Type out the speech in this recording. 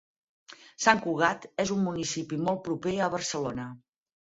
Sant Cugat és un municipi molt proper a Barcelona.